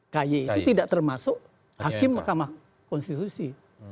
ky itu tidak termasuk hakim mahkamah konstitusi